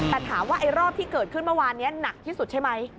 แต่ถามว่าไอ้รอบที่เกิดขึ้นเมื่อวานนี้หนักที่สุดใช่ไหม